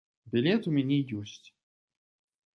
Білет ў мяне ёсць.